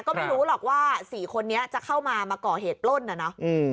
ก็ไม่รู้หรอกว่าสี่คนนี้จะเข้ามามาก่อเหตุปล้นน่ะเนอะ